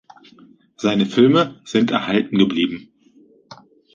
Seine Filme sind erhalten geblieben.